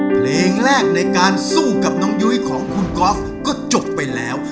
เพลงแรกในการสู้กับน้องยุ้ยของคุณก๊อฟก็จบไปแล้ว